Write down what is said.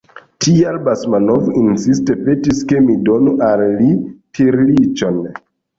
Tial Basmanov insiste petis, ke mi donu al li tirliĉon.